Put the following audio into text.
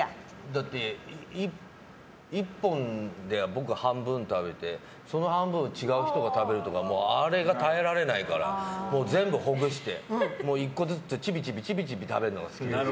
だって１本で、僕半分食べてその半分、違う人が食べるとかあれが耐えられないから全部ほぐして１個ずつ、ちびちび食べるのが好きです。